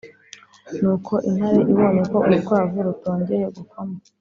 nuko intare ibonye ko urukwavu rutongeye gukoma